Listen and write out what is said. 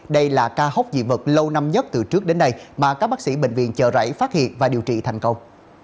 đây là ca hốc dị vật lâu năm nhất từ trước đến nay mà các bác sĩ bệnh viện chợ rẫy phát hiện và điều trị thành công